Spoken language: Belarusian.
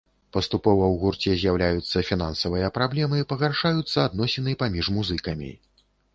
Паступова ў гурце з'яўляюцца фінансавыя праблемы, пагаршаюцца адносіны паміж музыкамі.